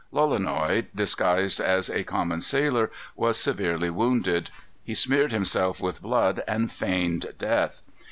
Lolonois, disguised as a common sailor, was severely wounded. He smeared himself with blood, and feigned death.